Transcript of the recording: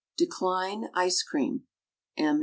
Decline ice cream. M.